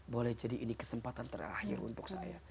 boleh jadi ini kesempatan terakhir untuk saya